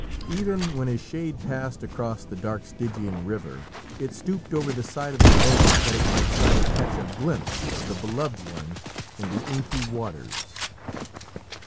Even when his shade passed across the dark Stygian river, it stooped over the side of the boat that it might try to catch a glimpse of the beloved one in the inky waters.